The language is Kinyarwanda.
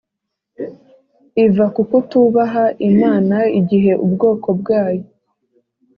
iva kukutubaha imana igihe ubwoko bwayo